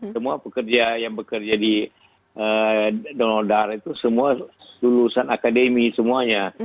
semua pekerja yang bekerja di donor darah itu semua lulusan akademi semuanya